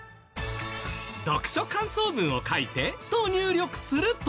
「読書感想文を書いて」と入力すると。